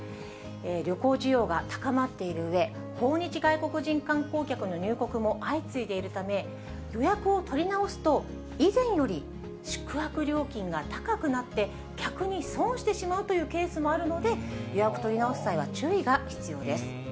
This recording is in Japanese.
旅行需要が高まっているうえ、訪日外国人観光客の入国も相次いでいるため、予約を取り直すと、以前より宿泊料金が高くなって、逆に損してしまうというケースもあるので、予約取り直す際は注意が必要です。